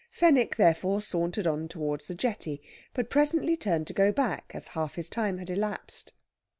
Fenwick, therefore, sauntered on towards the jetty, but presently turned to go back, as half his time had elapsed.